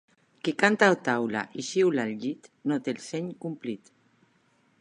Qui canta a taula i xiula al llit no té el seny complit.